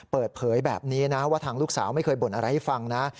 เปิดเผยแบบนี้นะว่าทางลูกสาวไม่เคยบ่นอะไรให้ฟังนะ